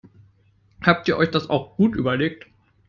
Habt ihr euch das auch gut überlegt?